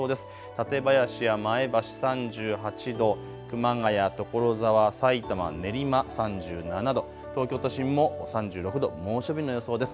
館林や前橋３８度、熊谷、所沢、さいたま、練馬３７度、東京都心も３６度、猛暑日の予想です。